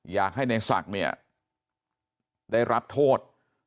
อยากให้ในศักดิ์เนี่ยได้รับโทษ